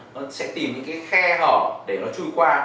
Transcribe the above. nó sẽ tìm những cái khe hở để nó thông qua